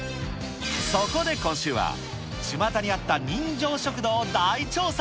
そこで今週は、ちまたにあった人情食堂を大調査。